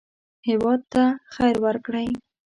هېواد ته خیر ورکړئ